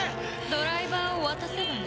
ドライバーを渡せばね。